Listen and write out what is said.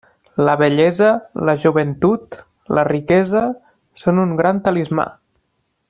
La bellesa, la joventut, la riquesa, són un gran talismà.